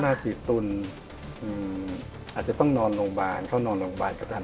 ของราศีตุลอาจจะต้องนอนโรงบาลเขานอนโรงบาลก็ทัน